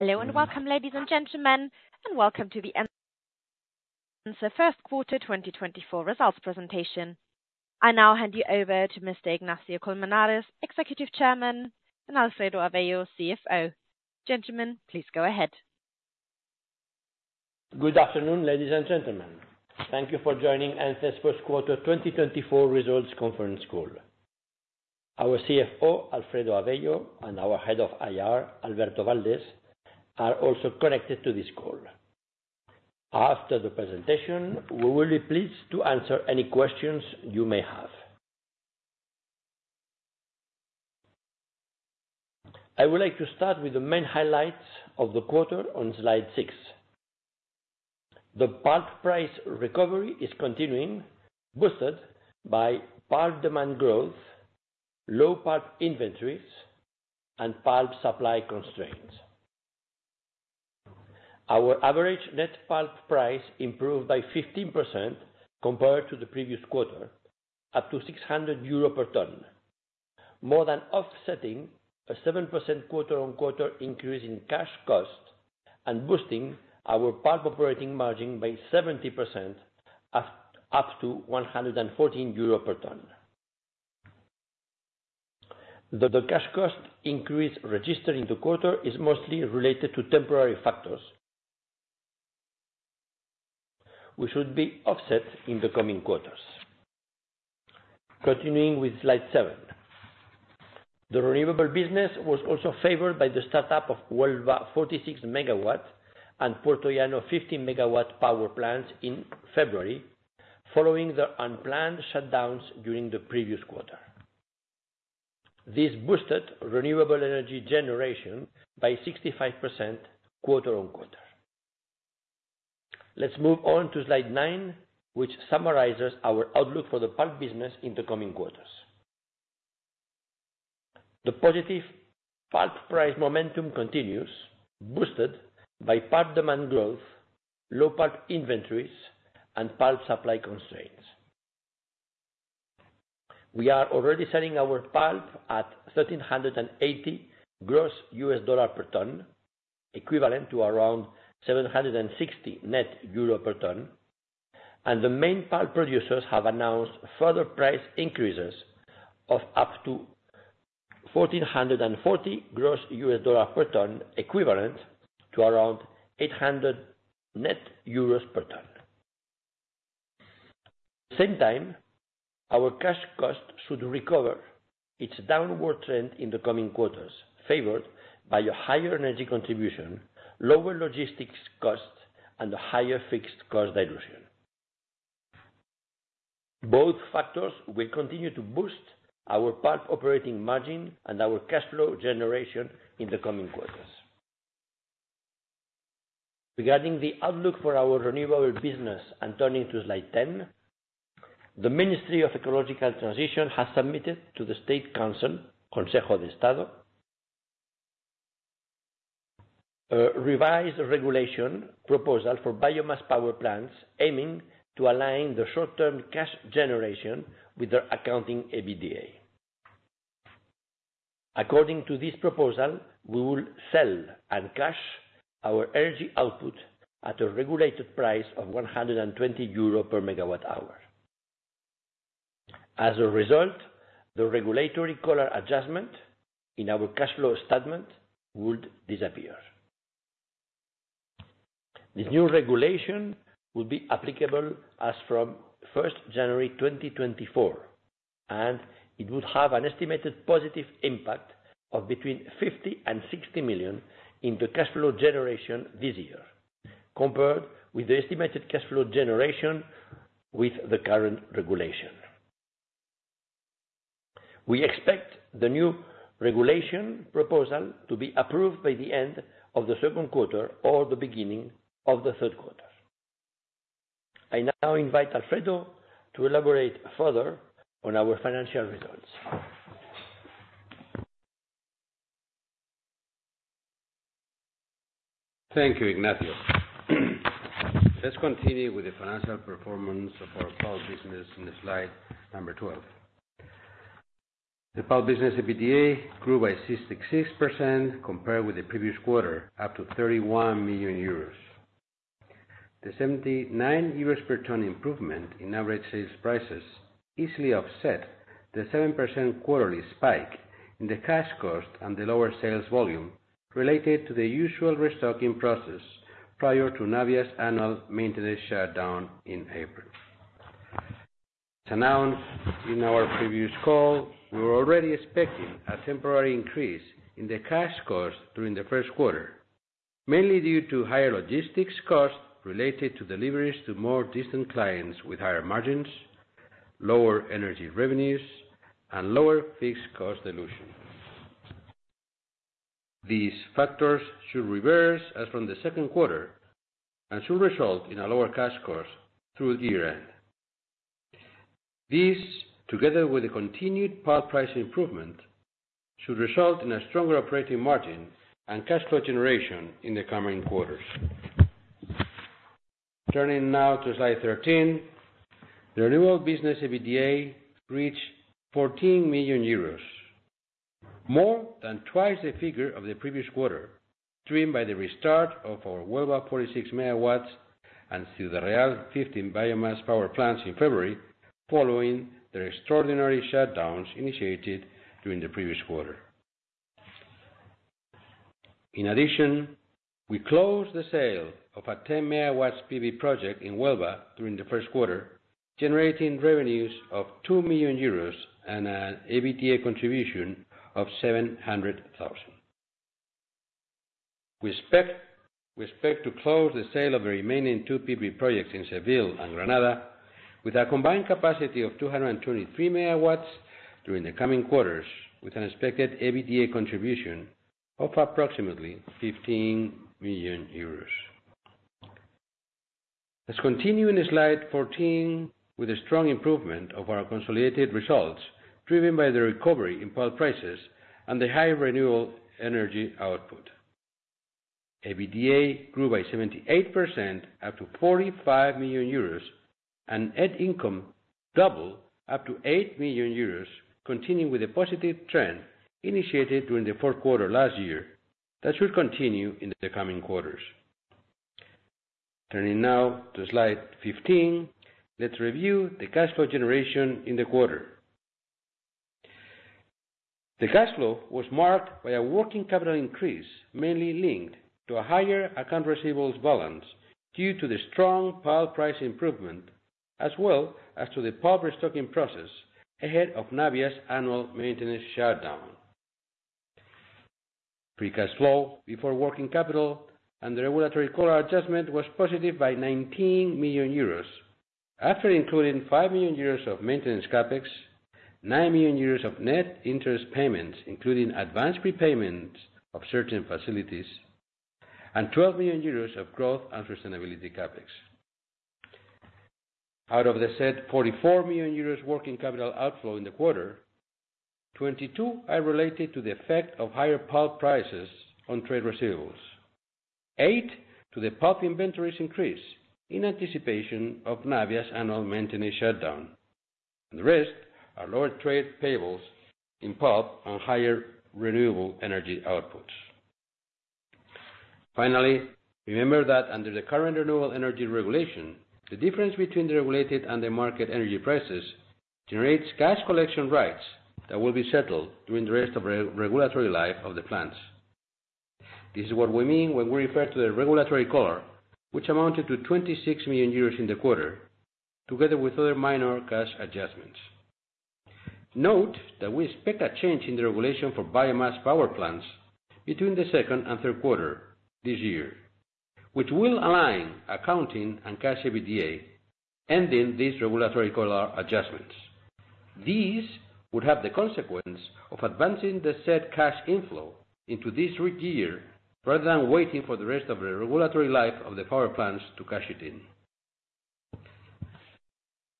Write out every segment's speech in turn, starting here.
Hello and welcome, ladies and gentlemen, and welcome to the Ence first quarter 2024 results presentation. I now hand you over to Mr. Ignacio Colmenares, Executive Chairman, and Alfredo Avello, CFO. Gentlemen, please go ahead. Good afternoon, ladies and gentlemen. Thank you for joining Ence's first quarter 2024 results conference call. Our CFO, Alfredo Avello, and our Head of IR, Alberto Valdés, are also connected to this call. After the presentation, we will be pleased to answer any questions you may have. I would like to start with the main highlights of the quarter on slide six. The pulp price recovery is continuing, boosted by pulp demand growth, low pulp inventories, and pulp supply constraints. Our average net pulp price improved by 15% compared to the previous quarter, up to 600 euro per ton, more than offsetting a 7% quarter-on-quarter increase in cash cost and boosting our pulp operating margin by 70%, up to 114 euro per ton. The cash cost increase registered in the quarter is mostly related to temporary factors, which should be offset in the coming quarters. Continuing with slide seven, the renewable business was also favored by the startup of Huelva 46 MW and Puertollano 15 MW power plants in February, following the unplanned shutdowns during the previous quarter. This boosted renewable energy generation by 65% quarter-on-quarter. Let's move on to slide nine, which summarizes our outlook for the pulp business in the coming quarters. The positive pulp price momentum continues, boosted by pulp demand growth, low pulp inventories, and pulp supply constraints. We are already selling our pulp at $1,380 gross USD per ton, equivalent to around 760 euro net per ton, and the main pulp producers have announced further price increases of up to $1,440 gross USD per ton, equivalent to around 800 euros net per ton. At the same time, our cash cost should recover its downward trend in the coming quarters, favored by a higher energy contribution, lower logistics costs, and a higher fixed cost dilution. Both factors will continue to boost our pulp operating margin and our cash flow generation in the coming quarters. Regarding the outlook for our renewable business and turning to slide 10, the Ministry of Ecological Transition has submitted to the Consejo de Estado a revised regulation proposal for biomass power plants aiming to align the short-term cash generation with their accounting EBITDA. According to this proposal, we will sell and cash our energy output at a regulated price of 120 euro per megawatt-hour. As a result, the regulatory collar adjustment in our cash flow statement would disappear. This new regulation would be applicable as from 1st January 2024, and it would have an estimated positive impact of between $50 million and $60 million in the cash flow generation this year, compared with the estimated cash flow generation with the current regulation. We expect the new regulation proposal to be approved by the end of the second quarter or the beginning of the third quarter. I now invite Alfredo to elaborate further on our financial results. Thank you, Ignacio. Let's continue with the financial performance of our pulp business in slide number 12. The pulp business EBITDA grew by 66% compared with the previous quarter, up to 31 million euros. The 79 euros per ton improvement in average sales prices easily offset the 7% quarterly spike in the cash cost and the lower sales volume related to the usual restocking process prior to Navia's annual maintenance shutdown in April. As announced in our previous call, we were already expecting a temporary increase in the cash costs during the first quarter, mainly due to higher logistics costs related to deliveries to more distant clients with higher margins, lower energy revenues, and lower fixed cost dilution. These factors should reverse as from the second quarter and should result in a lower cash cost through the year-end. This, together with the continued pulp price improvement, should result in a stronger operating margin and cash flow generation in the coming quarters. Turning now to slide 13, the renewable business EBITDA reached 14 million euros, more than twice the figure of the previous quarter driven by the restart of our Huelva 46 MW and Ciudad Real 15 MW biomass power plants in February, following the extraordinary shutdowns initiated during the previous quarter. In addition, we closed the sale of a 10 MW PV project in Huelva during the first quarter, generating revenues of 2 million euros and an EBITDA contribution of 700,000. We expect to close the sale of the remaining two PV projects in Seville and Granada with a combined capacity of 223 MW during the coming quarters, with an expected EBITDA contribution of approximately 15 million euros. Let's continue in slide 14 with a strong improvement of our consolidated results driven by the recovery in pulp prices and the high renewable energy output. EBITDA grew by 78%, up to 45 million euros, and net income doubled, up to 8 million euros, continuing with a positive trend initiated during the fourth quarter last year that should continue in the coming quarters. Turning now to slide 15, let's review the cash flow generation in the quarter. The cash flow was marked by a working capital increase, mainly linked to a higher account receivables balance due to the strong pulp price improvement, as well as to the pulp restocking process ahead of Navia's annual maintenance shutdown. Cash flow before working capital and the regulatory collar adjustment was positive by 19 million euros, after including 5 million euros of maintenance CapEx, 9 million euros of net interest payments, including advance prepayments of certain facilities, and 12 million euros of growth and sustainability CapEx. Out of the net 44 million euros working capital outflow in the quarter, 22 are related to the effect of higher pulp prices on trade receivables, eight to the pulp inventories increase in anticipation of Navia's annual maintenance shutdown, and the rest are lower trade payables in pulp and higher renewable energy outputs. Finally, remember that under the current renewable energy regulation, the difference between the regulated and the market energy prices generates cash collection rights that will be settled during the rest of the regulatory life of the plants. This is what we mean when we refer to the regulatory collar, which amounted to 26 million euros in the quarter, together with other minor cash adjustments. Note that we expect a change in the regulation for biomass power plants between the second and third quarter this year, which will align accounting and cash EBITDA, ending these regulatory collar adjustments. These would have the consequence of advancing the set cash inflow into this year rather than waiting for the rest of the regulatory life of the power plants to cash it in.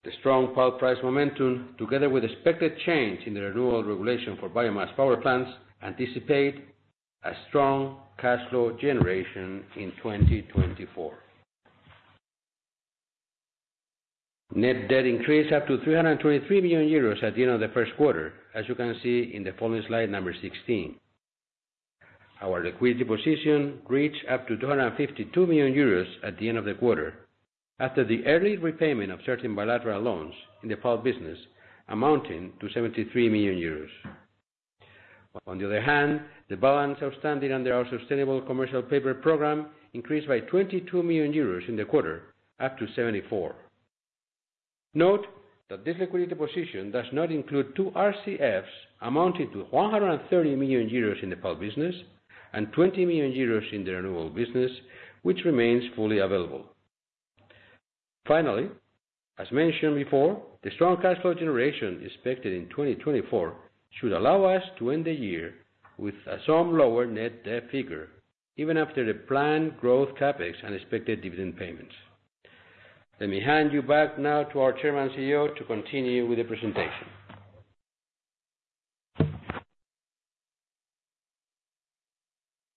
The strong pulp price momentum, together with expected change in the renewable regulation for biomass power plants, anticipate a strong cash flow generation in 2024. Net debt increased up to 323 million euros at the end of the first quarter, as you can see in the following slide number 16. Our liquidity position reached up to 252 million euros at the end of the quarter, after the early repayment of certain bilateral loans in the pulp business amounting to 73 million euros. On the other hand, the balance outstanding under our sustainable commercial paper program increased by 22 million euros in the quarter, up to 74 million. Note that this liquidity position does not include two RCFs amounting to 130 million euros in the pulp business and 20 million euros in the renewable business, which remains fully available. Finally, as mentioned before, the strong cash flow generation expected in 2024 should allow us to end the year with a somewhat lower net debt figure, even after the planned growth CapEx and expected dividend payments. Let me hand you back now to our Chairman and CEO to continue with the presentation.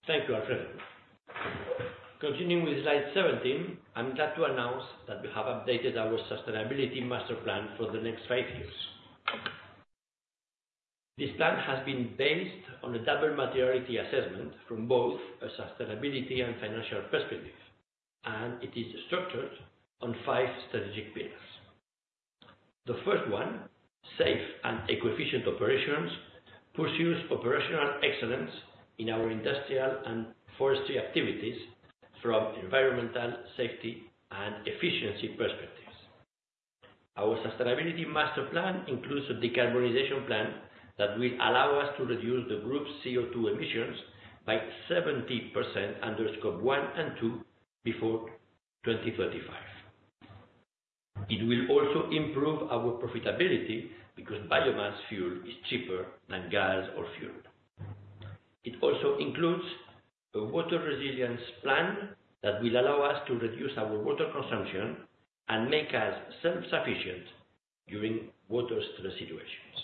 Thank you, Alfredo. Continuing with slide 17, I'm glad to announce that we have updated our sustainability master plan for the next five years. This plan has been based on a double materiality assessment from both a sustainability and financial perspective, and it is structured on five strategic pillars. The first one, safe and efficient operations, pursues operational excellence in our industrial and forestry activities from environmental safety and efficiency perspectives. Our sustainability master plan includes a decarbonization plan that will allow us to reduce the group CO2 emissions by 70% under Scope 1 and 2 before 2035. It will also improve our profitability because biomass fuel is cheaper than gas or fuel. It also includes a water resilience plan that will allow us to reduce our water consumption and make us self-sufficient during water stress situations.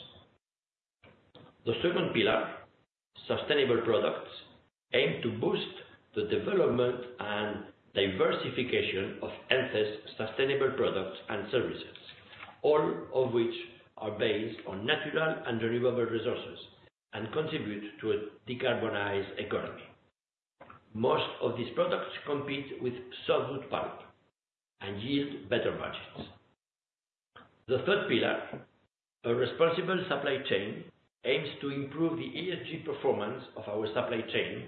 The second pillar, sustainable products, aims to boost the development and diversification of Ence's sustainable products and services, all of which are based on natural and renewable resources and contribute to a decarbonized economy. Most of these products compete with solid pulp and yield better margins. The third pillar, a responsible supply chain, aims to improve the ESG performance of our supply chain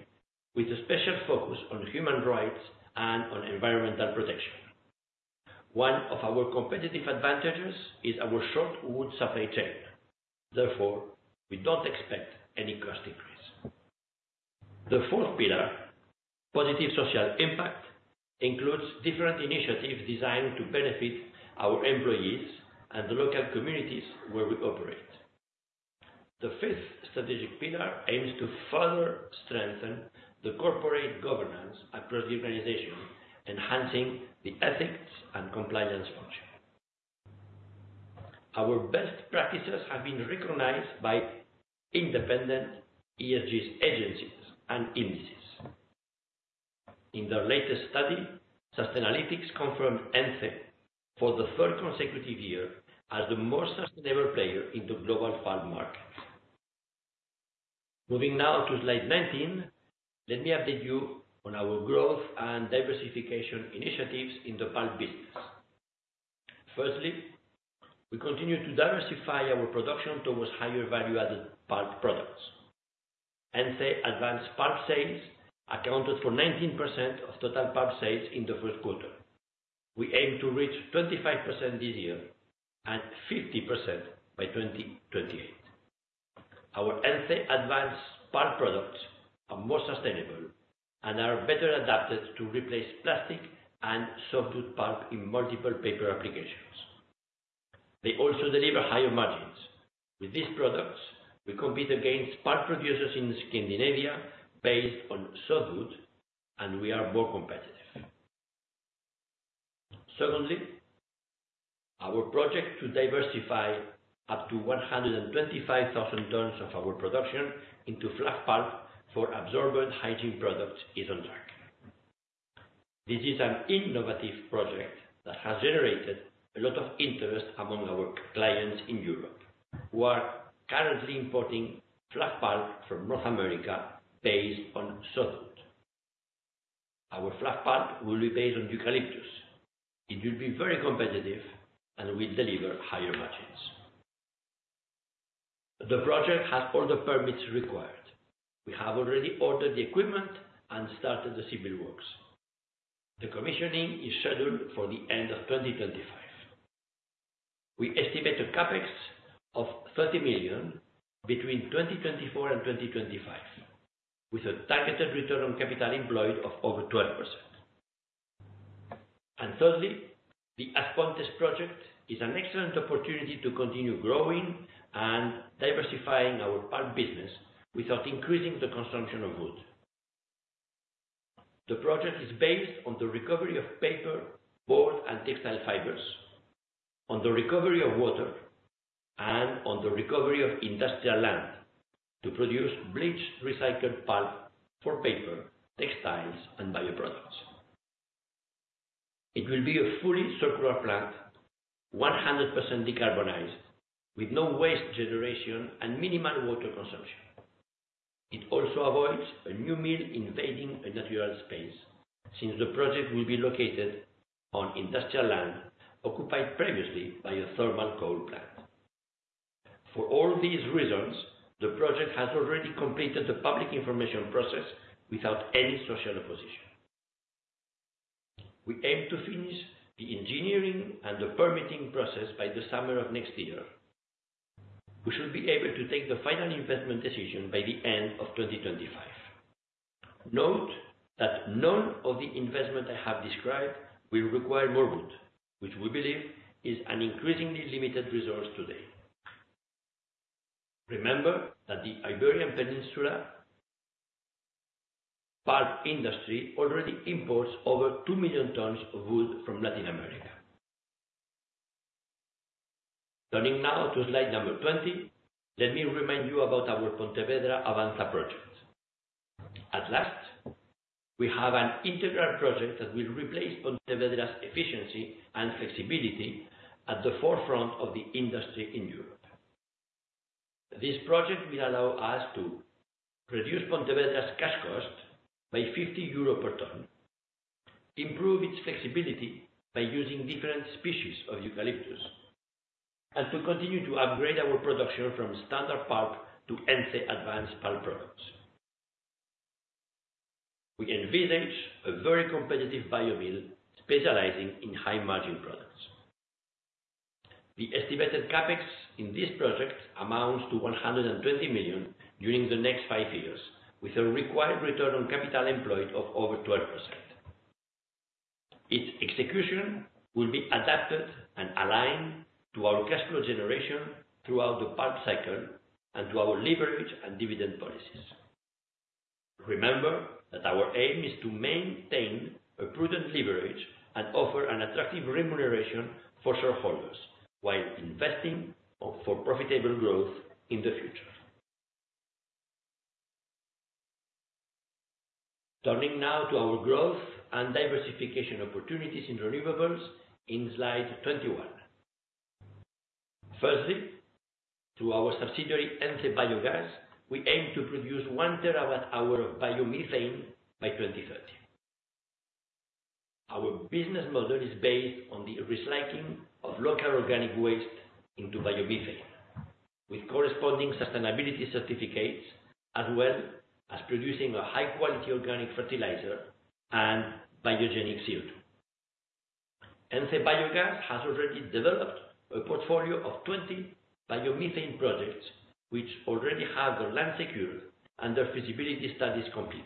with a special focus on human rights and on environmental protection. One of our competitive advantages is our short wood supply chain. Therefore, we don't expect any cost increase. The fourth pillar, positive social impact, includes different initiatives designed to benefit our employees and the local communities where we operate. The fifth strategic pillar aims to further strengthen the corporate governance across the organization, enhancing the ethics and compliance function. Our best practices have been recognized by independent ESG agencies and indices. In their latest study, Sustainalytics confirmed Ence for the third consecutive year as the most sustainable player in the global pulp market. Moving now to slide 19, let me update you on our growth and diversification initiatives in the pulp business. Firstly, we continue to diversify our production towards higher value-added pulp products. Ence Advanced pulp sales accounted for 19% of total pulp sales in the first quarter. We aim to reach 25% this year and 50% by 2028. Our Ence Advanced pulp products are more sustainable and are better adapted to replace plastic and solid wood pulp in multiple paper applications. They also deliver higher margins. With these products, we compete against pulp producers in Scandinavia based on solid wood, and we are more competitive. Secondly, our project to diversify up to 125,000 tons of our production into fluff pulp for absorbent hygiene products is on track. This is an innovative project that has generated a lot of interest among our clients in Europe, who are currently importing fluff pulp from North America based on solid wood. Our fluff pulp will be based on eucalyptus. It will be very competitive and will deliver higher margins. The project has all the permits required. We have already ordered the equipment and started the civil works. The commissioning is scheduled for the end of 2025. We estimate a Capex of 30 million between 2024 and 2025, with a targeted return on capital employed of over 12%. And thirdly, the As Pontes project is an excellent opportunity to continue growing and diversifying our pulp business without increasing the consumption of wood. The project is based on the recovery of paper, board, and textile fibers, on the recovery of water, and on the recovery of industrial land to produce bleached recycled pulp for paper, textiles, and bioproducts. It will be a fully circular plant, 100% decarbonized, with no waste generation and minimal water consumption. It also avoids a new mill invading a natural space since the project will be located on industrial land occupied previously by a thermal coal plant. For all these reasons, the project has already completed the public information process without any social opposition. We aim to finish the engineering and the permitting process by the summer of next year. We should be able to take the final investment decision by the end of 2025. Note that none of the investment I have described will require more wood, which we believe is an increasingly limited resource today. Remember that the Iberian Peninsula pulp industry already imports over 2 million tons of wood from Latin America. Turning now to slide number 20, let me remind you about our Pontevedra Avanza project. At last, we have an integral project that will replace Pontevedra's efficiency and flexibility at the forefront of the industry in Europe. This project will allow us to reduce Pontevedra's cash cost by 50 euro per ton, improve its flexibility by using different species of eucalyptus, and to continue to upgrade our production from standard pulp to Ence Advanced pulp products. We envisage a very competitive bio-mill specializing in high-margin products. The estimated Capex in this project amounts to 120 million during the next five years, with a required return on capital employed of over 12%. Its execution will be adapted and aligned to our cash flow generation throughout the pulp cycle and to our leverage and dividend policies. Remember that our aim is to maintain a prudent leverage and offer an attractive remuneration for shareholders while investing for profitable growth in the future. Turning now to our growth and diversification opportunities in renewables in slide 21. Firstly, through our subsidiary Ence Biogas, we aim to produce 1 TWh of biomethane by 2030. Our business model is based on the recycling of local organic waste into biomethane, with corresponding sustainability certificates, as well as producing a high-quality organic fertilizer and biogenic CO2. Ence Biogas has already developed a portfolio of 20 biomethane projects, which already have their land secured and their feasibility studies completed.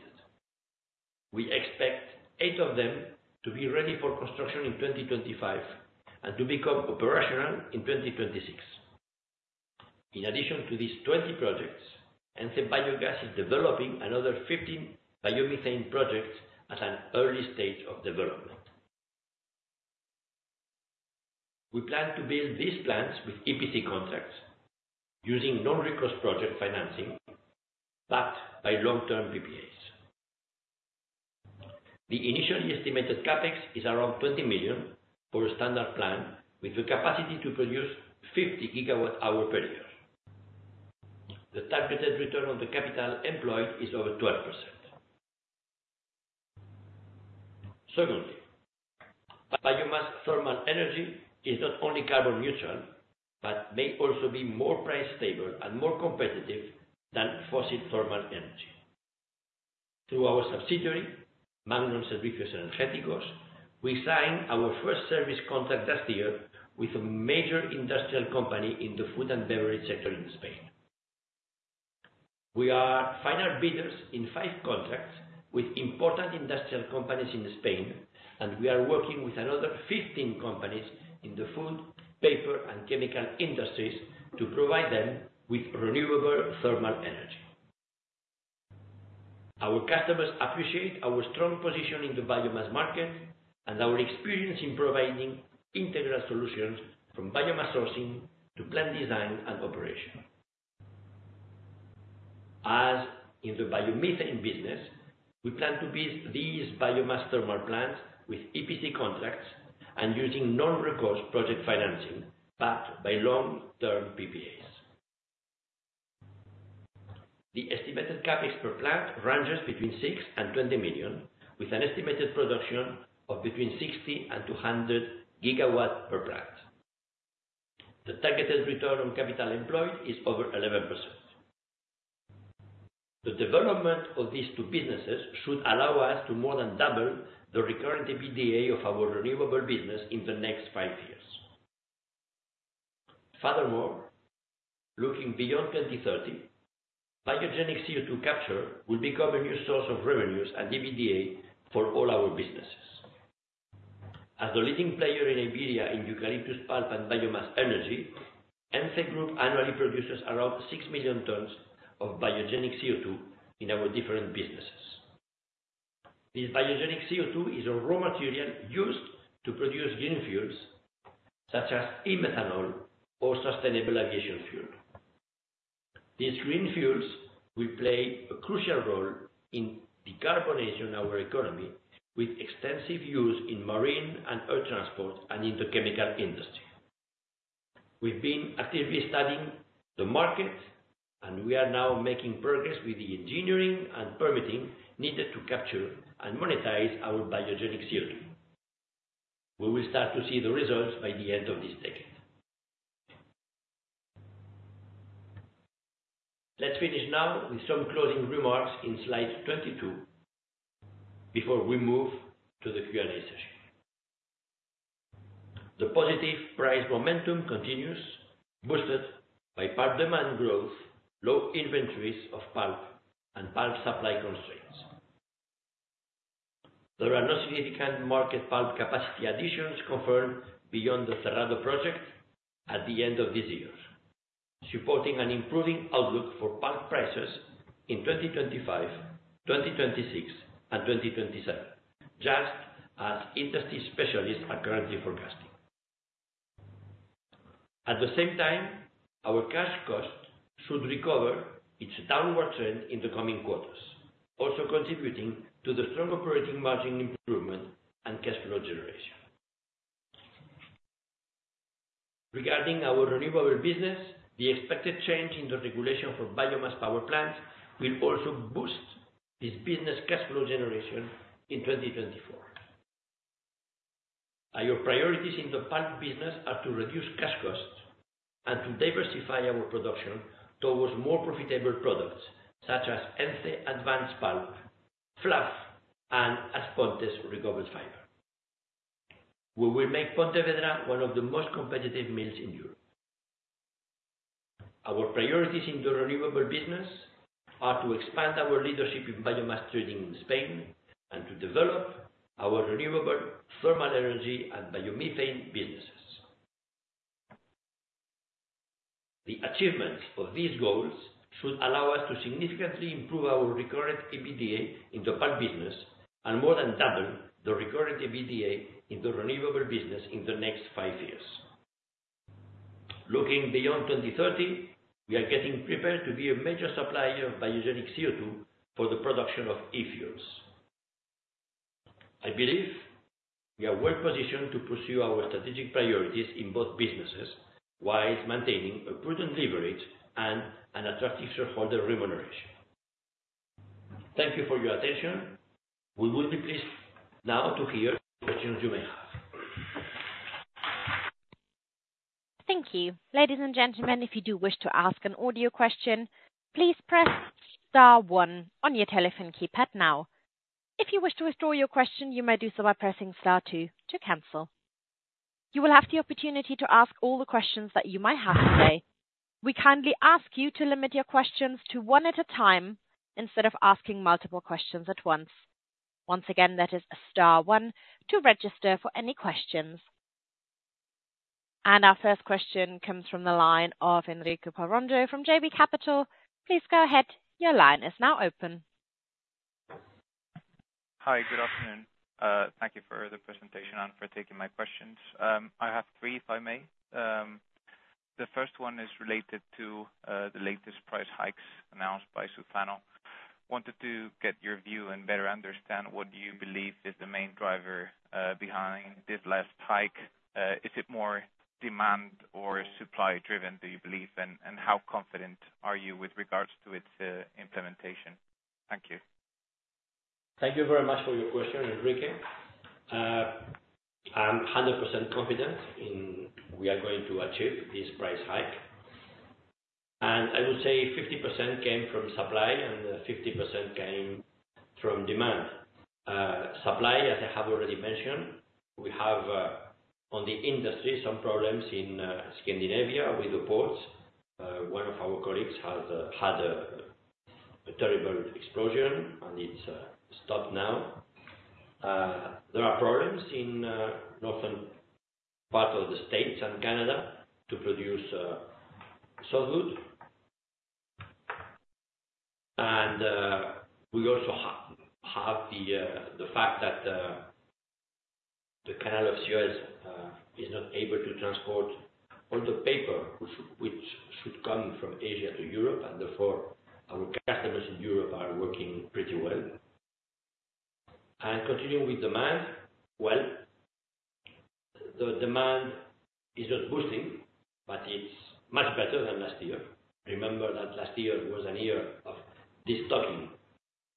We expect 8 of them to be ready for construction in 2025 and to become operational in 2026. In addition to these 20 projects, Ence Biogas is developing another 15 biomethane projects at an early stage of development. We plan to build these plants with EPC contracts using non-recourse project financing backed by long-term PPAs. The initially estimated Capex is around 20 million for a standard plant with the capacity to produce 50 GWh per year. The targeted return on the capital employed is over 12%. Secondly, biomass thermal energy is not only carbon neutral but may also be more price-stable and more competitive than fossil thermal energy. Through our subsidiary, Magnon Servicios Energéticos, we signed our first service contract last year with a major industrial company in the food and beverage sector in Spain. We are final bidders in 5 contracts with important industrial companies in Spain, and we are working with another 15 companies in the food, paper, and chemical industries to provide them with renewable thermal energy. Our customers appreciate our strong position in the biomass market and our experience in providing integral solutions from biomass sourcing to plant design and operation. As in the biomethane business, we plan to build these biomass thermal plants with EPC contracts and using non-recourse project financing backed by long-term PPAs. The estimated Capex per plant ranges between 6 million-20 million, with an estimated production of between 60-200 GW per plant. The targeted return on capital employed is over 11%. The development of these two businesses should allow us to more than double the recurring EBITDA of our renewable business in the next 5 years. Furthermore, looking beyond 2030, biogenic CO2 capture will become a new source of revenues and EBITDA for all our businesses. As the leading player in Iberia in eucalyptus pulp and biomass energy, Ence Group annually produces around 6 million tons of biogenic CO2 in our different businesses. This biogenic CO2 is a raw material used to produce green fuels such as e-methanol or sustainable aviation fuel. These green fuels will play a crucial role in decarbonizing our economy with extensive use in marine and air transport and in the chemical industry. We've been actively studying the market, and we are now making progress with the engineering and permitting needed to capture and monetize our biogenic CO2. We will start to see the results by the end of this decade. Let's finish now with some closing remarks in slide 22 before we move to the Q&A session. The positive price momentum continues, boosted by pulp demand growth, low inventories of pulp, and pulp supply constraints. There are no significant market pulp capacity additions confirmed beyond the Cerrado project at the end of this year, supporting an improving outlook for pulp prices in 2025, 2026, and 2027, just as industry specialists are currently forecasting. At the same time, our cash cost should recover its downward trend in the coming quarters, also contributing to the strong operating margin improvement and cash flow generation. Regarding our renewable business, the expected change in the regulation for biomass power plants will also boost this business cash flow generation in 2024. Our priorities in the pulp business are to reduce cash costs and to diversify our production towards more profitable products such as Ence Advanced Pulp, fluff, and As Pontes recovered fiber. We will make Pontevedra one of the most competitive mills in Europe. Our priorities in the renewable business are to expand our leadership in biomass trading in Spain and to develop our renewable thermal energy and biomethane businesses. The achievements of these goals should allow us to significantly improve our recurrent EBITDA in the pulp business and more than double the recurrent EBITDA in the renewable business in the next five years. Looking beyond 2030, we are getting prepared to be a major supplier of biogenic CO2 for the production of e-fuels. I believe we are well positioned to pursue our strategic priorities in both businesses while maintaining a prudent leverage and an attractive shareholder remuneration. Thank you for your attention. We will be pleased now to hear questions you may have. Thank you. Ladies and gentlemen, if you do wish to ask an audio question, please press star one on your telephone keypad now. If you wish to withdraw your question, you may do so by pressing star two to cancel. You will have the opportunity to ask all the questions that you might have today. We kindly ask you to limit your questions to one at a time instead of asking multiple questions at once. Once again, that is a star 1 to register for any questions. And our first question comes from the line of Enrique Porras from JB Capital. Please go ahead. Your line is now open. Hi. Good afternoon. Thank you for the presentation and for taking my questions. I have three, if I may. The first one is related to the latest price hikes announced by Suzano. Wanted to get your view and better understand what you believe is the main driver behind this last hike. Is it more demand or supply-driven, do you believe, and how confident are you with regards to its implementation? Thank you. Thank you very much for your question, Enrique. I'm 100% confident we are going to achieve this price hike. I would say 50% came from supply and 50% came from demand. Supply, as I have already mentioned, we have on the industry some problems in Scandinavia with the ports. One of our colleagues had a terrible explosion, and it's stopped now. There are problems in northern part of the States and Canada to produce softwood. We also have the fact that the Canal of Suez is not able to transport all the paper, which should come from Asia to Europe, and therefore, our customers in Europe are working pretty well. Continuing with demand, well, the demand is not boosting, but it's much better than last year. Remember that last year was a year of destocking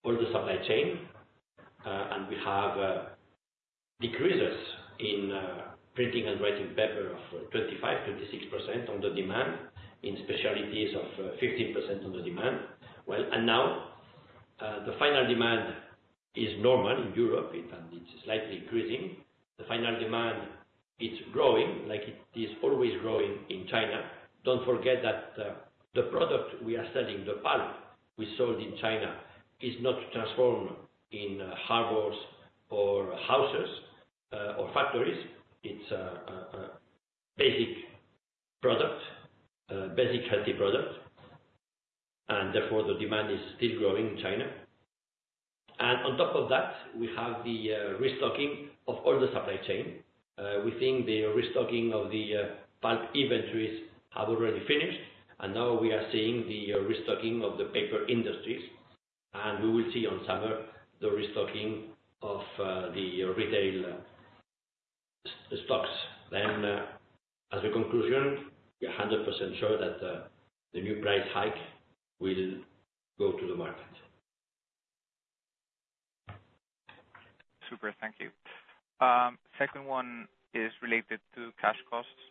all the supply chain, and we have decreases in printing and writing paper of 25%-26% on the demand, in specialties of 15% on the demand. Now, the final demand is normal in Europe, and it's slightly increasing. The final demand, it's growing like it is always growing in China. Don't forget that the product we are selling, the pulp we sold in China, is not transformed in harbors or houses or factories. It's a basic product, basic healthy product. And therefore, the demand is still growing in China. And on top of that, we have the restocking of all the supply chain. We think the restocking of the pulp inventories has already finished, and now we are seeing the restocking of the paper industries. We will see in summer the restocking of the retail stocks. As a conclusion, we are 100% sure that the new price hike will go to the market. Super. Thank you. Second one is related to cash costs.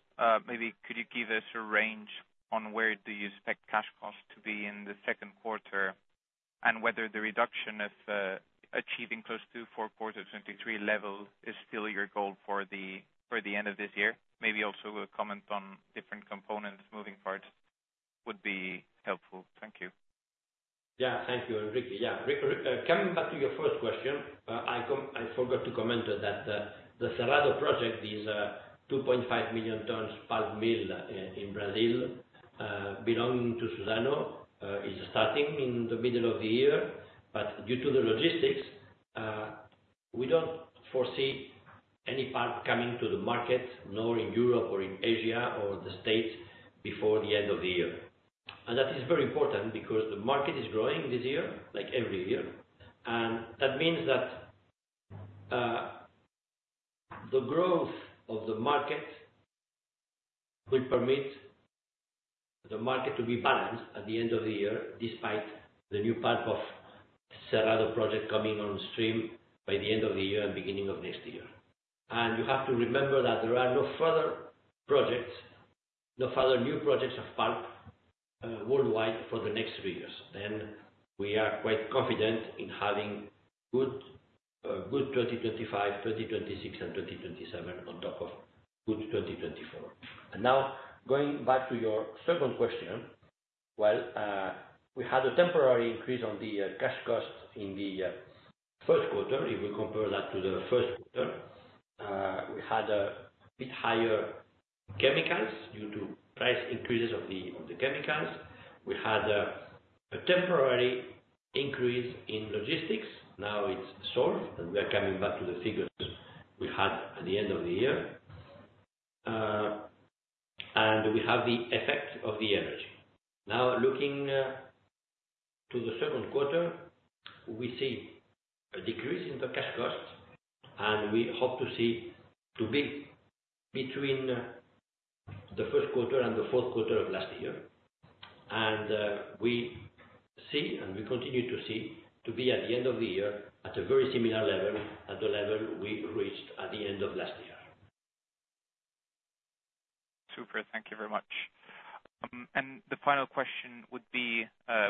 Maybe could you give us a range on where do you expect cash costs to be in the second quarter and whether the reduction of achieving close to four-quarter 2023 level is still your goal for the end of this year? Maybe also a comment on different components, moving parts, would be helpful. Thank you. Yeah. Thank you, Enrique. Yeah. Coming back to your first question, I forgot to comment that the Cerrado Project, this 2.5 million tons pulp mill in Brazil, belonging to Suzano, is starting in the middle of the year. But due to the logistics, we don't foresee any pulp coming to the market, nor in Europe or in Asia or the States, before the end of the year. And that is very important because the market is growing this year like every year. And that means that the growth of the market will permit the market to be balanced at the end of the year despite the new part of the Cerrado Project coming on stream by the end of the year and beginning of next year. And you have to remember that there are no further projects, no further new projects of pulp worldwide for the next three years. Then, we are quite confident in having good 2025, 2026, and 2027 on top of good 2024. And now, going back to your second question, well, we had a temporary increase on the cash cost in the first quarter. If we compare that to the first quarter, we had a bit higher chemicals due to price increases of the chemicals. We had a temporary increase in logistics. Now, it's solved, and we are coming back to the figures we had at the end of the year. And we have the effect of the energy. Now, looking to the second quarter, we see a decrease in the cash cost, and we hope to see to be between the first quarter and the fourth quarter of last year. We see and we continue to see to be at the end of the year at a very similar level, at the level we reached at the end of last year. Super. Thank you very much. The final question would be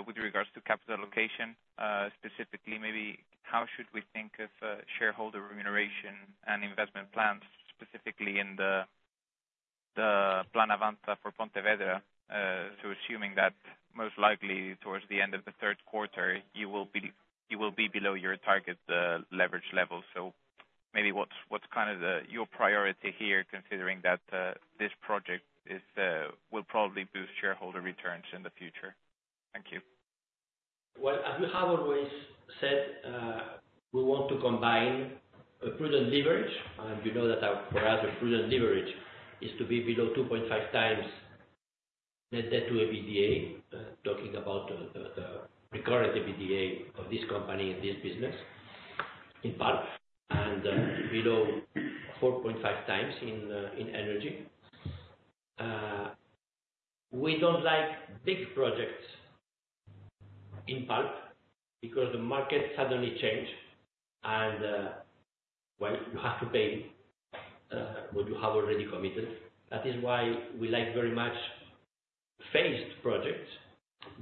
with regards to capital allocation. Specifically, maybe how should we think of shareholder remuneration and investment plans, specifically in the Pontevedra Avanza? Assuming that most likely towards the end of the third quarter, you will be below your target leverage level. Maybe what's kind of your priority here considering that this project will probably boost shareholder returns in the future? Thank you. Well, as we have always said, we want to combine a prudent leverage. You know that for us, a prudent leverage is to be below 2.5 times Net Debt to EBITDA, talking about the recurrent EBITDA of this company in this business in pulp, and below 4.5 times in energy. We don't like big projects in pulp because the market suddenly changed, and, well, you have to pay what you have already committed. That is why we like very much phased projects.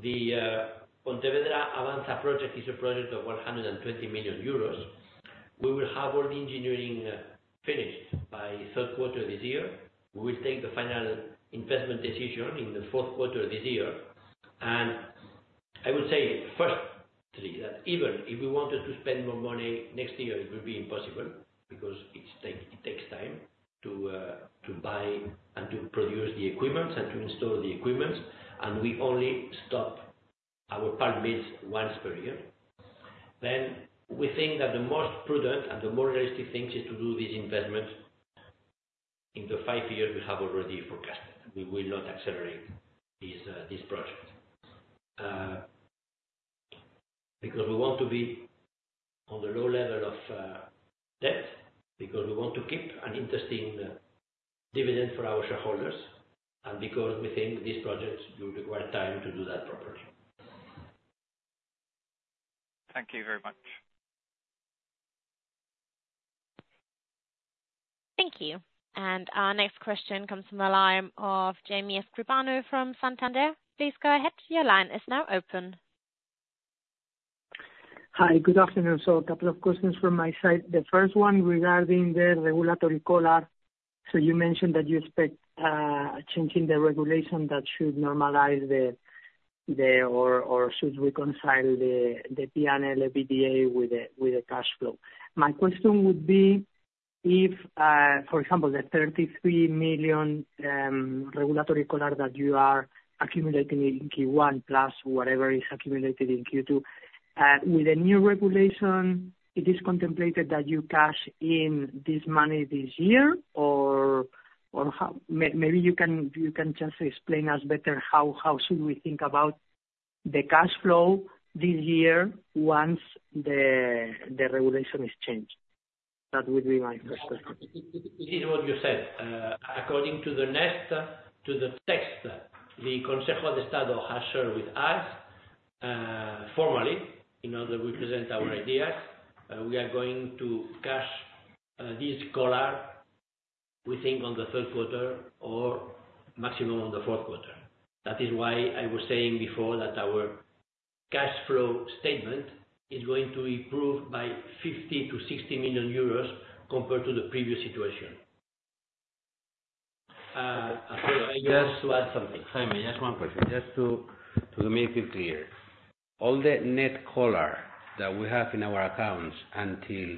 The Pontevedra Avanza project is a project of 120 million euros. We will have all the engineering finished by third quarter this year. We will take the final investment decision in the fourth quarter this year. I would say firstly, that even if we wanted to spend more money next year, it would be impossible because it takes time to buy and to produce the equipment and to install the equipment. We only stop our pulp mills once per year. Then, we think that the most prudent and the more realistic thing is to do this investment in the five years we have already forecasted. We will not accelerate this project because we want to be on the low level of debt, because we want to keep an interesting dividend for our shareholders, and because we think these projects will require time to do that properly. Thank you very much. Thank you. Our next question comes from the line of Jaime Escribano from Santander. Please go ahead. Your line is now open. Hi. Good afternoon. So a couple of questions from my side. The first one regarding the regulatory collar. So you mentioned that you expect changing the regulation that should normalize the or should reconcile the P&L, EBITDA, with the cash flow. My question would be if, for example, the 33 million regulatory collar that you are accumulating in Q1+ whatever is accumulated in Q2, with the new regulation, it is contemplated that you cash in this money this year? Or maybe you can just explain us better how should we think about the cash flow this year once the regulation is changed? That would be my first question. It is what you said. According to the text, the Consejo de Estado has shared with us formally, in order to present our ideas, we are going to cash this collar, we think, on the third quarter or maximum on the fourth quarter. That is why I was saying before that our cash flow statement is going to improve by 50-60 million euros compared to the previous situation. I just want something. Jaime, just one question. Just to make it clear, all the net collar that we have in our accounts until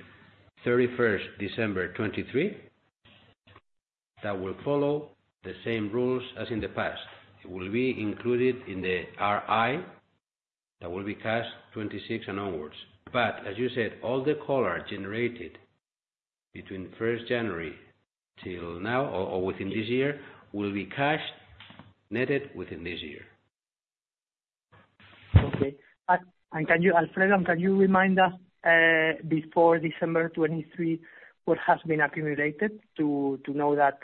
31st December 2023, that will follow the same rules as in the past. It will be included in the RI that will be cashed 2026 and onwards. But as you said, all the collar generated between 1st January till now or within this year will be cashed netted within this year. Okay. And Alfredo, can you remind us before December 2023 what has been accumulated to know that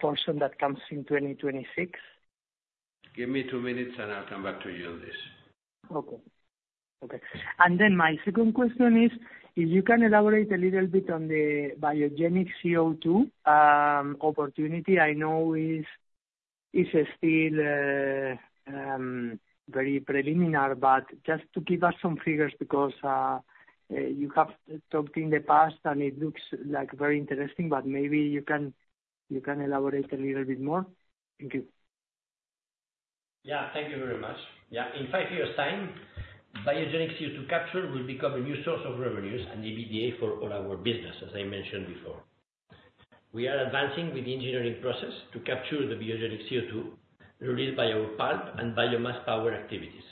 portion that comes in 2026? Give me two minutes, and I'll come back to you on this. Okay. Okay. And then my second question is if you can elaborate a little bit on the biogenic CO2 opportunity. I know it's still very preliminary, but just to give us some figures because you have talked in the past, and it looks very interesting, but maybe you can elaborate a little bit more. Thank you. Yeah. Thank you very much. Yeah. In 5 years' time, biogenic CO2 capture will become a new source of revenues and EBITDA for all our business, as I mentioned before. We are advancing with the engineering process to capture the biogenic CO2 released by our pulp and biomass power activities.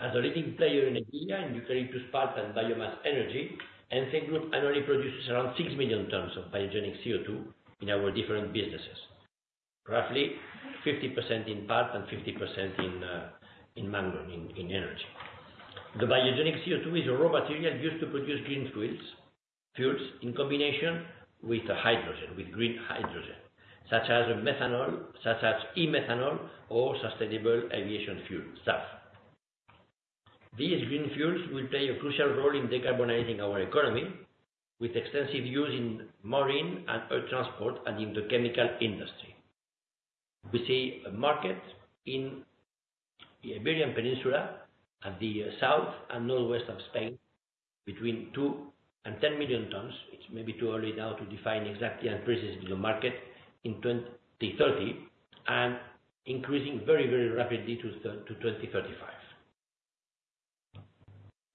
As a leading player in Iberia, in nuclear to spark and biomass energy, Ence Group annually produces around 6 million tons of biogenic CO2 in our different businesses, roughly 50% in pulp and 50% in Magnon energy. The biogenic CO2 is a raw material used to produce green fuels in combination with hydrogen, with green hydrogen, such as methanol, such as e-methanol, or sustainable aviation fuel, SAF. These green fuels will play a crucial role in decarbonizing our economy with extensive use in marine and air transport and in the chemical industry. We see a market in the Iberian Peninsula at the south and northwest of Spain between 2 million-10 million tons. It's maybe too early now to define exactly and precise the market in 2030 and increasing very, very rapidly to 2035.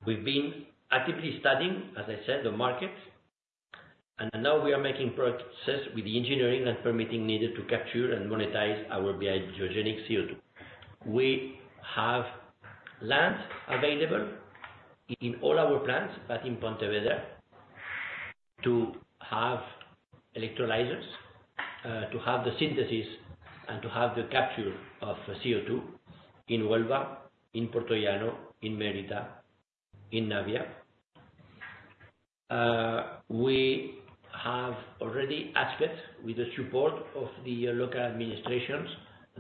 We've been actively studying, as I said, the market, and now we are making progress with the engineering and permitting needed to capture and monetize our biogenic CO2. We have land available in all our plants, but in Pontevedra, to have electrolyzers, to have the synthesis, and to have the capture of CO2 in Huelva, in Puertollano, in Mérida, in Navia. We have already asked, with the support of the local administrations,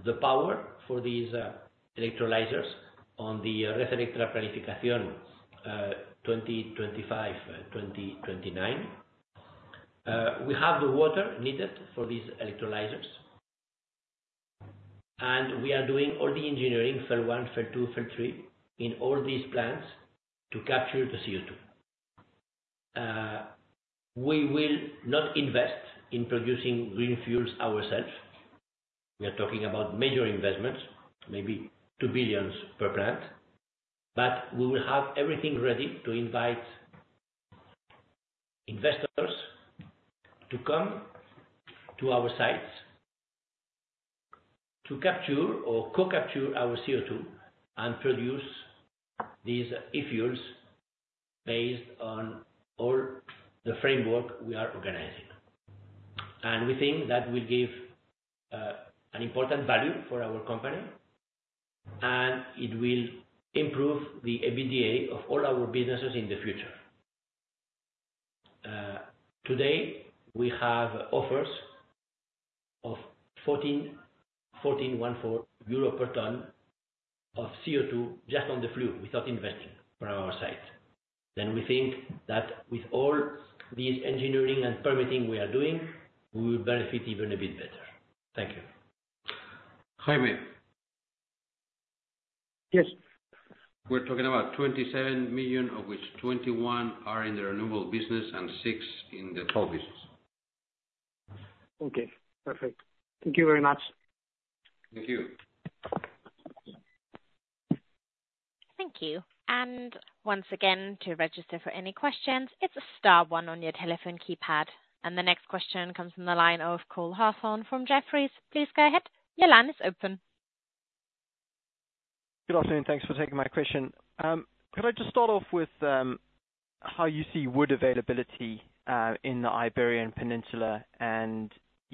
the power for these electrolyzers on the Red Eléctrica Planificación 2025-2029. We have the water needed for these electrolyzers, and we are doing all the engineering, phase I, phase II, phase III, in all these plants to capture the CO2. We will not invest in producing green fuels ourselves. We are talking about major investments, maybe 2 billion per plant. But we will have everything ready to invite investors to come to our sites to capture or co-capture our CO2 and produce these e-fuels based on all the framework we are organizing. And we think that will give an important value for our company, and it will improve the EBITDA of all our businesses in the future. Today, we have offers of 14.14 euro per ton of CO2 just on the flue without investing from our site. Then, we think that with all this engineering and permitting we are doing, we will benefit even a bit better. Thank you. Jaime? Yes. We're talking about 27 million, of which 21 are in the renewable business and 6 in the coal business. Okay. Perfect. Thank you very much. Thank you. Thank you. And once again, to register for any questions, it's a star one on your telephone keypad. And the next question comes from the line of Cole Hathorn from Jefferies. Please go ahead. Your line is open. Good afternoon. Thanks for taking my question.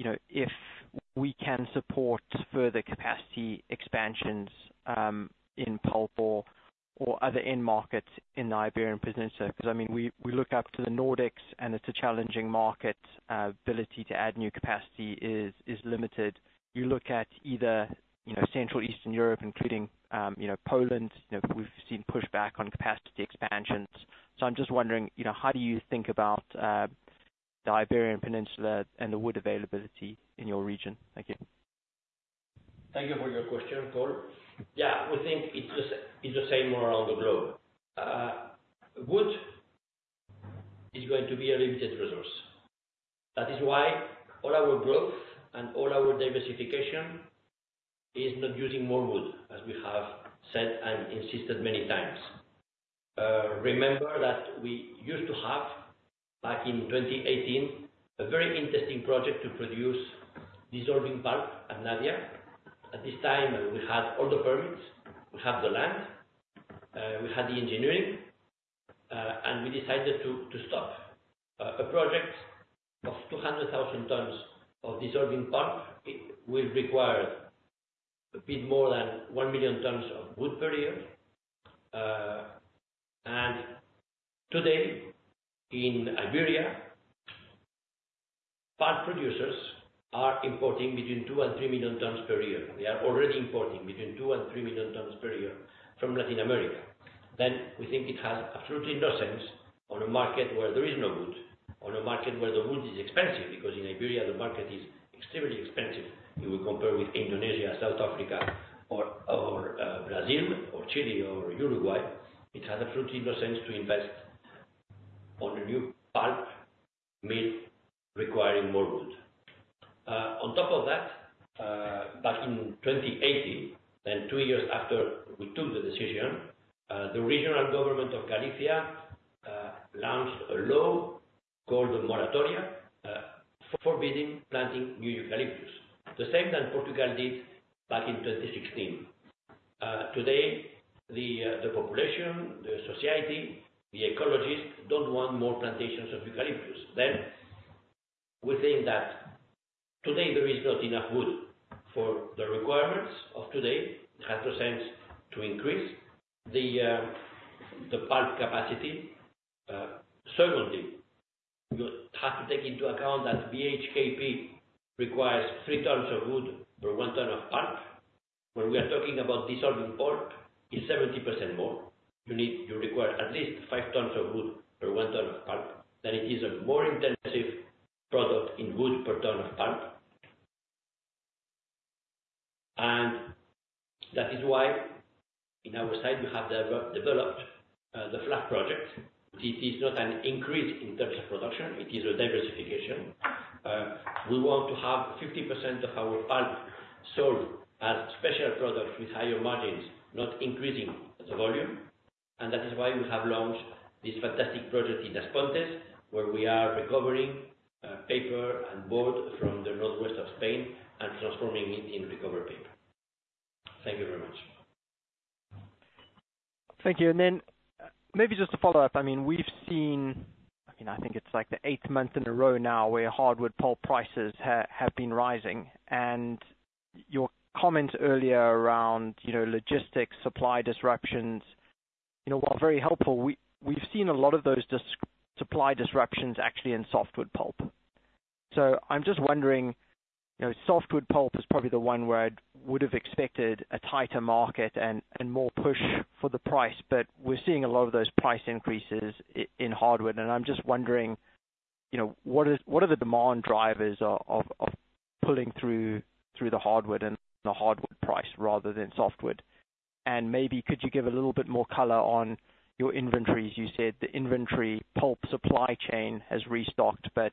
Could I just start off with how you see wood availability in the Iberian Peninsula and if we can support further capacity expansions in pulp or other end markets in the Iberian Peninsula? Because, I mean, we look up to the Nordics, and it's a challenging market. Ability to add new capacity is limited. You look at either Central Eastern Europe, including Poland, we've seen pushback on capacity expansions. So I'm just wondering, how do you think about the Iberian Peninsula and the wood availability in your region? Thank you. Thank you for your question, Cole. Yeah. We think it's the same all around the globe. Wood is going to be a limited resource. That is why all our growth and all our diversification is not using more wood, as we have said and insisted many times. Remember that we used to have, back in 2018, a very interesting project to produce dissolving pulp at Navia. At this time, we had all the permits. We had the land. We had the engineering. We decided to stop. A project of 200,000 tons of dissolving pulp will require a bit more than 1 million tons of wood per year. Today, in Iberia, pulp producers are importing between 2 and 3 million tons per year. They are already importing between 2 and 3 million tons per year from Latin America. Then, we think it has absolutely no sense on a market where there is no wood, on a market where the wood is expensive because in Iberia, the market is extremely expensive. If we compare with Indonesia, South Africa, or Brazil, or Chile, or Uruguay, it has absolutely no sense to invest on a new pulp mill requiring more wood. On top of that, back in 2018, then two years after we took the decision, the regional government of Galicia launched a law called a moratoria forbidding planting new eucalyptus, the same that Portugal did back in 2016. Today, the population, the society, the ecologists don't want more plantations of eucalyptus. Then, we think that today, there is not enough wood for the requirements of today. It has no sense to increase the pulp capacity. Secondly, you have to take into account that BHKP requires 3 tons of wood per 1 ton of pulp. When we are talking about dissolving pulp, it's 70% more. You require at least 5 tons of wood per 1 ton of pulp. Then, it is a more intensive product in wood per ton of pulp. And that is why, on our side, we have developed the fluff project. It is not an increase in terms of production. It is a diversification. We want to have 50% of our pulp sold as special products with higher margins, not increasing the volume. And that is why we have launched this fantastic project in As Pontes, where we are recovering paper and board from the northwest of Spain and transforming it into recovered paper. Thank you very much. Thank you. And then maybe just to follow up. I mean, we've seen I mean, I think it's the eighth month in a row now where hardwood pulp prices have been rising. And your comments earlier around logistics, supply disruptions, while very helpful, we've seen a lot of those supply disruptions actually in softwood pulp. So I'm just wondering, softwood pulp is probably the one where I would have expected a tighter market and more push for the price, but we're seeing a lot of those price increases in hardwood. And I'm just wondering, what are the demand drivers of pulling through the hardwood and the hardwood price rather than softwood? And maybe could you give a little bit more color on your inventories? You said the inventory pulp supply chain has restocked, but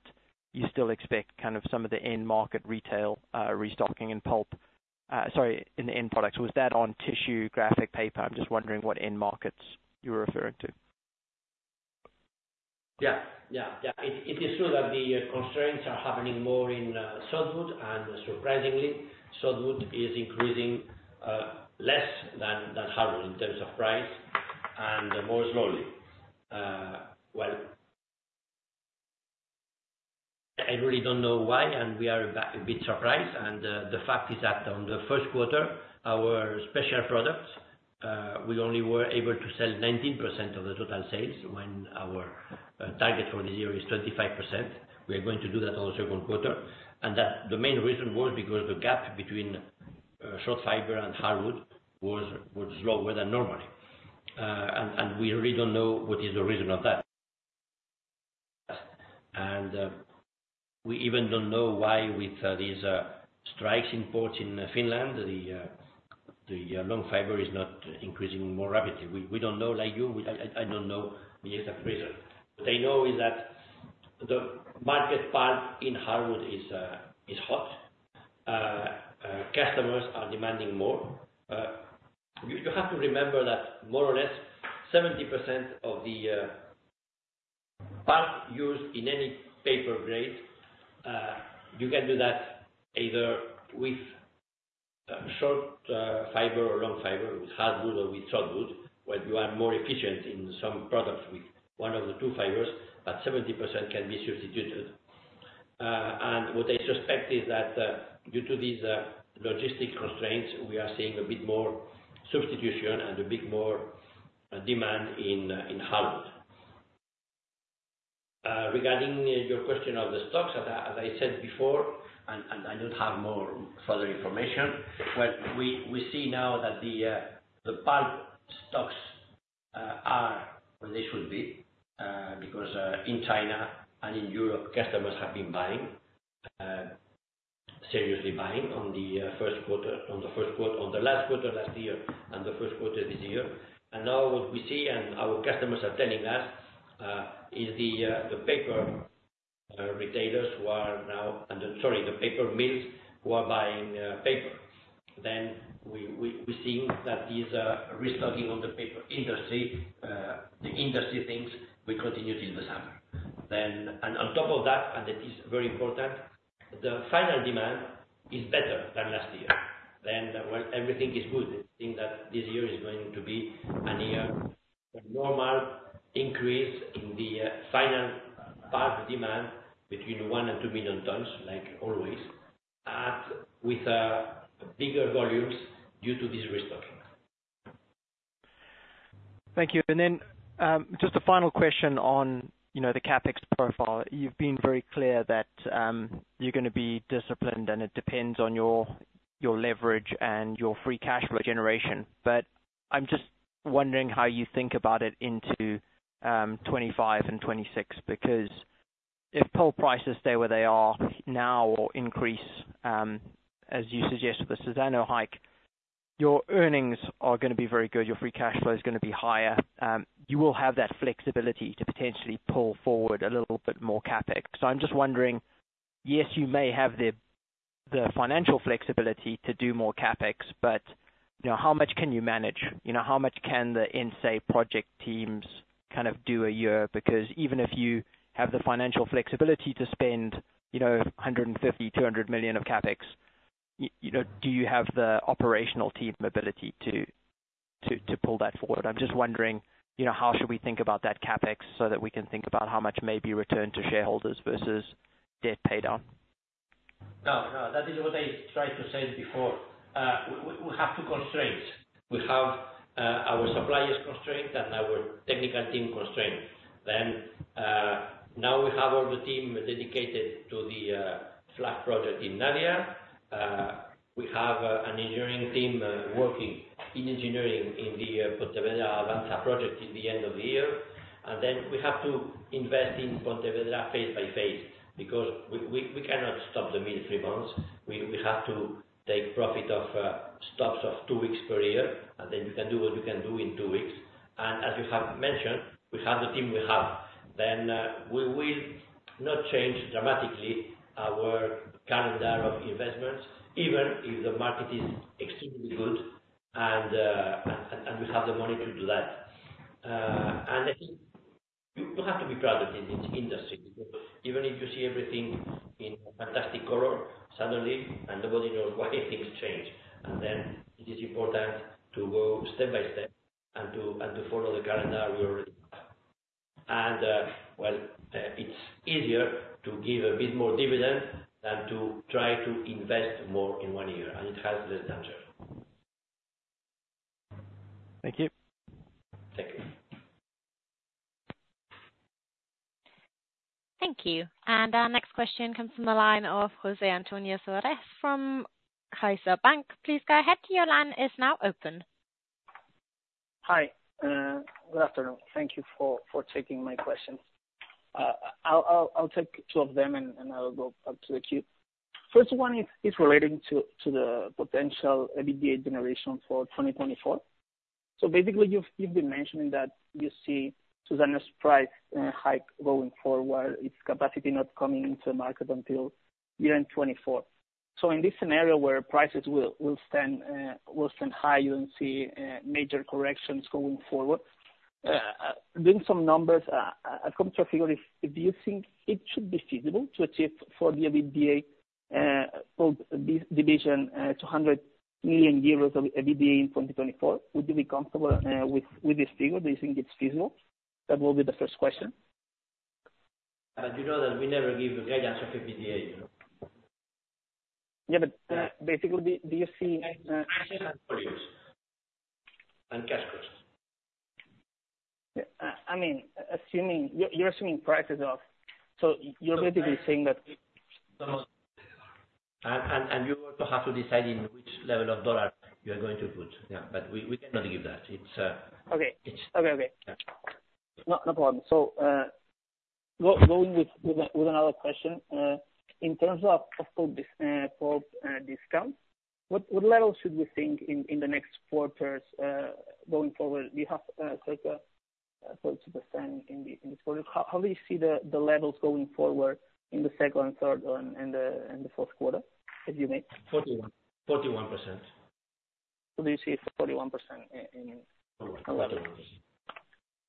you still expect kind of some of the end market retail restocking in pulp, sorry, in the end products. Was that on tissue, graphic paper? I'm just wondering what end markets you were referring to. Yeah. Yeah. Yeah. It is true that the constraints are happening more in softwood. And surprisingly, softwood is increasing less than hardwood in terms of price and more slowly. Well, I really don't know why, and we are a bit surprised. And the fact is that, on the first quarter, our special products, we only were able to sell 19% of the total sales when our target for this year is 25%. We are going to do that on the second quarter. And the main reason was because the gap between short fiber and hardwood was slower than normally. And we really don't know what is the reason of that. And we even don't know why, with these strikes in ports in Finland, the long fiber is not increasing more rapidly. We don't know. Like you, I don't know the exact reason. What I know is that the market part in hardwood is hot. Customers are demanding more. You have to remember that, more or less, 70% of the pulp used in any paper grade, you can do that either with short fiber or long fiber, with hardwood or with softwood, where you are more efficient in some products with one of the two fibers, but 70% can be substituted. And what I suspect is that, due to these logistic constraints, we are seeing a bit more substitution and a bit more demand in hardwood. Regarding your question of the stocks, as I said before, and I don't have more further information. Well, we see now that the pulp stocks are where they should be because, in China and in Europe, customers have been seriously buying on the first quarter on the last quarter last year and the first quarter this year. And now, what we see and our customers are telling us is the paper retailers who are now sorry, the paper mills who are buying paper. Then, we're seeing that there's a restocking on the paper industry. The industry thinks we continue till the summer. And on top of that, and it is very important, the final demand is better than last year. Then, well, everything is good. I think that this year is going to be a year of normal increase in the final pulp demand between 1 million-2 million tons, like always, with bigger volumes due to this restocking. Thank you. Then just a final question on the CapEx profile. You've been very clear that you're going to be disciplined, and it depends on your leverage and your free cash flow generation. I'm just wondering how you think about it into 2025 and 2026 because, if pulp prices stay where they are now or increase, as you suggest with the Suzano hike, your earnings are going to be very good. Your free cash flow is going to be higher. You will have that flexibility to potentially pull forward a little bit more CapEx. I'm just wondering, yes, you may have the financial flexibility to do more CapEx, but how much can you manage? How much can the Ence project teams kind of do a year? Because, even if you have the financial flexibility to spend 150 million to 200 million of CapEx, do you have the operational team ability to pull that forward? I'm just wondering, how should we think about that CapEx so that we can think about how much may be returned to shareholders versus debt paid down? No. No. That is what I tried to say before. We have two constraints. We have our suppliers constraint and our technical team constraint. Then, now, we have all the team dedicated to the Fluff project in Navia. We have an engineering team working in engineering in the Pontevedra Avanza project at the end of the year. And then, we have to invest in Pontevedra phase by phase because we cannot stop the mill three months. We have to take profit of stops of two weeks per year. And then, you can do what you can do in two weeks. And as you have mentioned, we have the team we have. Then, we will not change dramatically our calendar of investments, even if the market is extremely good and we have the money to do that. I think you have to be proud of this industry because, even if you see everything in fantastic color, suddenly, and nobody knows why, things change. Then, it is important to go step by step and to follow the calendar we already have. Well, it's easier to give a bit more dividend than to try to invest more in one year. It has less danger. Thank you. Thank you. Thank you. Our next question comes from the line of Jose Antonio Suarez from CaixaBank. Please go ahead. Your line is now open. Hi. Good afternoon. Thank you for taking my questions. I'll take two of them, and I'll go up to the queue. First one is relating to the potential EBITDA generation for 2024. So basically, you've been mentioning that you see Suzano's price hike going forward. It's capacity not coming into the market until 2024. So in this scenario where prices will stand high, you don't see major corrections going forward. Doing some numbers, I've come to a figure. If you think it should be feasible to achieve for the EBITDA division 200 million euros of EBITDA in 2024, would you be comfortable with this figure? Do you think it's feasible? That will be the first question. But you know that we never give guidance of EBITDA, you know? Yeah. But basically, do you see? Prices and volumes and cash cost. I mean, you're assuming prices of so you're basically saying that. You also have to decide in which level of dollar you are going to put. Yeah. We cannot give that. It's. Okay. Okay. Okay. Yeah. No problem. So going with another question, in terms of pulp discount, what level should we think in the next quarters going forward? Do you have circa 30% in this quarter? How do you see the levels going forward in the second, third, and the fourth quarter, if you may? 41%. So do you see 41% in a level?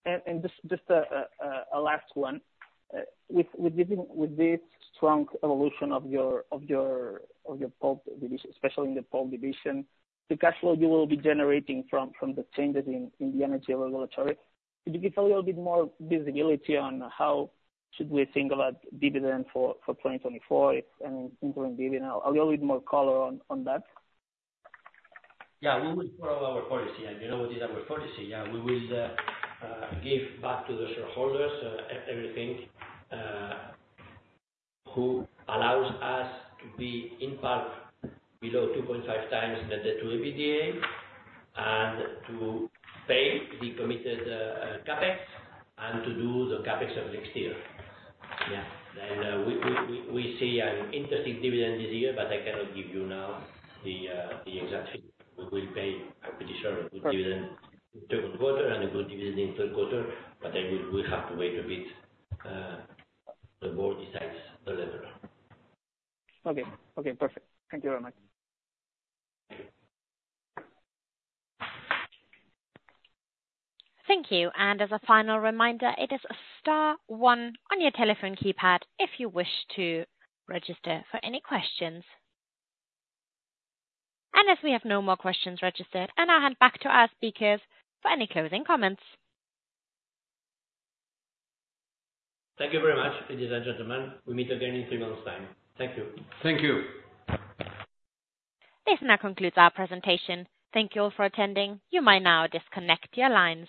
41%. Just a last one. With this strong evolution of your pulp division, especially in the pulp division, the cash flow you will be generating from the changes in the energy regulatory, could you give a little bit more visibility on how should we think about dividend for 2024 and including dividend? A little bit more color on that. Yeah. We will follow our policy. And you know what is our policy. Yeah. We will give back to the shareholders everything who allows us to be in pulp below 2.5x the debt-to-EBITDA and to pay the committed CapEx and to do the CapEx of next year. Yeah. Then, we see an interesting dividend this year, but I cannot give you now the exact figure. We will pay, I'm pretty sure, a good dividend in the second quarter and a good dividend in the third quarter. But we have to wait a bit for the board to decide the level. Okay. Okay. Perfect. Thank you very much. Thank you. As a final reminder, it is a star one on your telephone keypad if you wish to register for any questions. As we have no more questions registered, I now hand back to our speakers for any closing comments. Thank you very much, ladies and gentlemen. We meet again in three months' time. Thank you. Thank you. This now concludes our presentation. Thank you all for attending. You may now disconnect your lines.